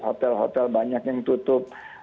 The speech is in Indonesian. hotel hotel banyak yang tutup